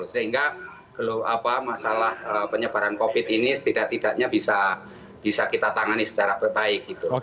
sehingga masalah penyebaran covid sembilan belas ini setidaknya bisa kita tangani secara berat